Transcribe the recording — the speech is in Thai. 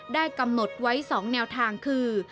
ได้กำหนดไว้๒แนวทางคือ